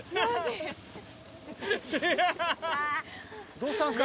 どうしたんすか？